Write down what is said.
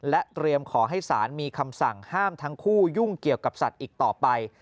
และเตรียมขอให้ศาลมีคำสั่งห้ามทั้งคู่ยุ่งเกี่ยวกับสัตว์อีกต่อไป